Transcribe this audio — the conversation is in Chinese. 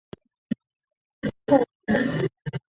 此时日本加紧了对朝鲜的渗透和控制。